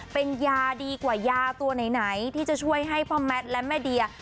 เป็นยาดีกว่ายาตัวไหนที่จะช่วยให้พ่อแมทและแม่เดีย